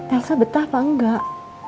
elsa betah apa enggak